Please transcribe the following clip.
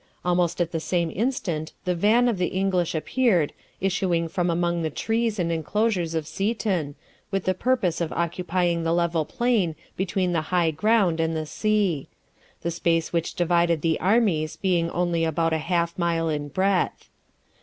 Almost at the same instant the van of the English appeared issuing from among the trees and enclosures of Seaton, with the purpose of occupying the level plain between the high ground and the sea; the space which divided the armies being only about half a mile in breadth.